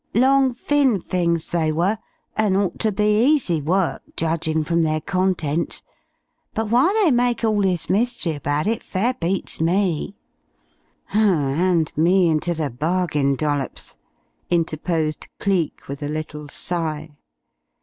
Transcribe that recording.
Long, thin things they were, an' ought ter be easy work, judgin' from their contents. But why they make all this mystery about it fair beats me!" "And me into the bargain, Dollops," interposed Cleek, with a little sigh.